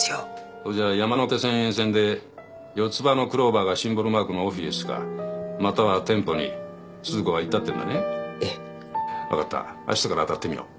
それじゃあ山手線沿線で四つ葉のクローバーがシンボルマークのオフィスかまたは店舗に鈴子は行ったっていうんだねええ分かった明日から当たってみよう